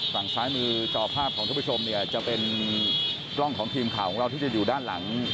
ฝั่งซ้ายมือจอภาพของทุกผู้ชมเนี่ยจะเป็นกล้องของทีมข่าวของเราที่จะอยู่ด้านหลัง